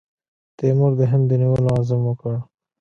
تیمور د هند د نیولو عزم وکړ.